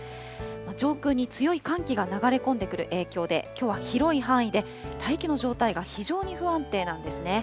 上空に強い寒気が流れ込んでくる影響で、きょうは広い範囲で大気の状態が非常に不安定なんですね。